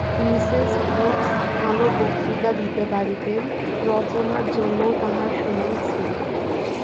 Mrs Woods ভাল বক্তৃতা দিতে পারিতেন, রচনার জন্যও তাঁহার সুনাম ছিল।